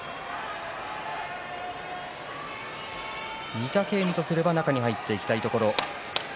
御嶽海からすれば中に入っていきたいところ。